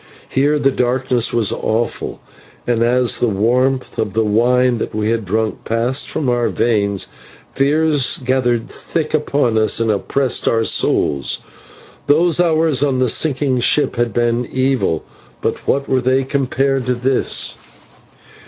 Here the darkness was awful, and as the warmth of the wine that we had drunk passed from our veins, fears gathered thick upon us and oppressed our souls. Those hours on the sinking ship had been evil, but what were they compared to this?